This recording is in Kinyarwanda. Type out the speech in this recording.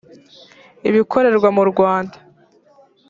ibikorerwa mu rwanda